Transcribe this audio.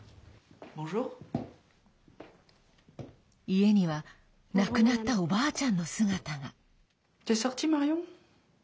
家には亡くなったおばあちゃんの姿が。